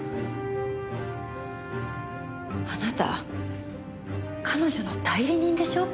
あなた彼女の代理人でしょ？